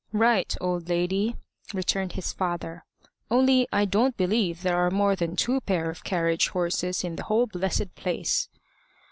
"Right, old lady," returned his father; "only I don't believe there are more than two pair of carriage horses in the whole blessed place."